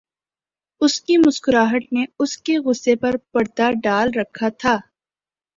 اُس کی مسکراہٹ نے اُس کے غصےپر پردہ ڈال رکھا تھا